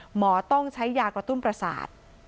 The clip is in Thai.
หมอต้องใช้ยากระตุ้นประสาท